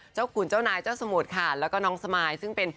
ขุนเจ้านายเจ้าสมุทรค่ะแล้วก็น้องสมายซึ่งเป็น